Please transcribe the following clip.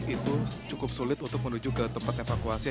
itu cukup sulit untuk menuju ke tempat evakuasi